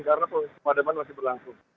karena proses pemadaman masih berlangsung